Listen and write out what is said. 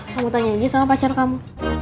kamu tanya aja sama pacar kamu